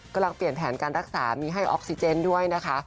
กำลังเปลี่ยนแผนการรักษามีให้ออกซิเจนด้วยนะคะ